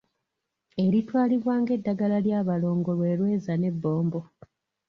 Eritwalibwa ng’eddagala ly’abalongo lwe lweza n’ebbombo.